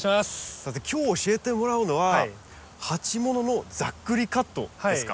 さて今日教えてもらうのは鉢物のざっくりカットですか？